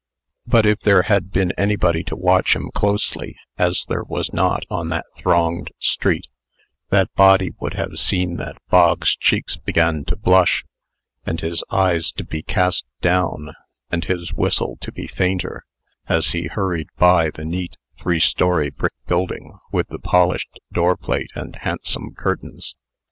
But if there had been anybody to watch him closely as there was not on that thronged street that body would have seen that Bog's cheeks began to blush, and his eyes to be cast down, and his whistle to be fainter, as he hurried by the neat three story brick building with the polished doorplate and handsome curtains.